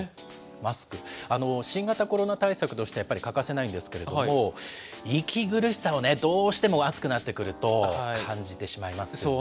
新型コロナ対策として、やっぱり欠かせないんですけれども、息苦しさをどうしても暑くなってくると感じてしまいますよね。